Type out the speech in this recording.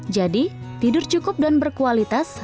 jadi tidur cukup dan berkualitas